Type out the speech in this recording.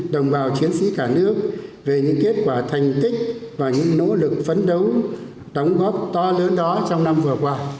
đồng bào chiến sĩ cả nước về những kết quả thành tích và những nỗ lực phấn đấu đóng góp to lớn đó trong năm vừa qua